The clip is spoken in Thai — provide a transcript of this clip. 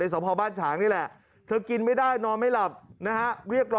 สพบ้านฉางนี่แหละเธอกินไม่ได้นอนไม่หลับนะฮะเรียกรอ